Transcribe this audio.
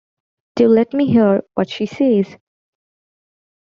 Do let me hear what she says.